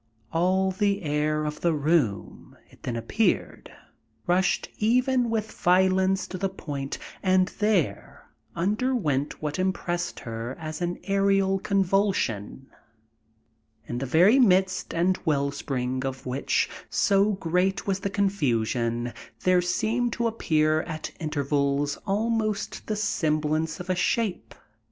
All the air of the room, it then appeared, rushed even with violence to the point and there underwent what impressed her as an aerial convulsion, in the very midst and well spring of which, so great was the confusion, there seemed to appear at intervals almost the semblance of a shape.